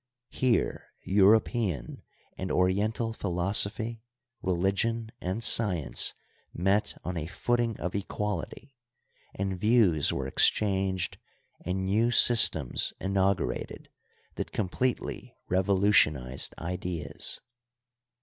Here European and Oriental philosophy, religion, and science met on a foot ing of equality, and views were exchanged and new sys tems inaugurated that completely revolutionized ideas.